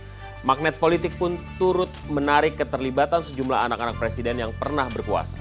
jadi magnet politik pun turut menarik keterlibatan sejumlah anak anak presiden yang pernah berkuasa